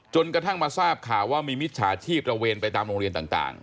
กระทั่งมาทราบข่าวว่ามีมิจฉาชีพตระเวนไปตามโรงเรียนต่าง